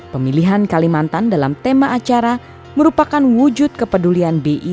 pemilihan kalimantan dalam tema acara merupakan wujud kepedulian bi